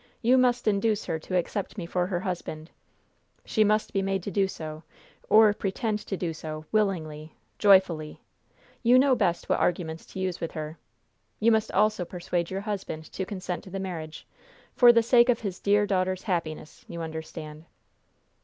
You must induce her to accept me for her husband. She must be made to do so, or pretend to do so, willingly, joyfully. You know best what arguments to use with her. You must also persuade your husband to consent to the marriage, for the sake of his dear daughter's happiness, you understand."